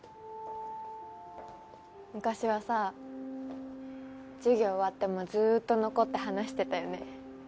昔はさ授業終わってもずっと残って話してたよね。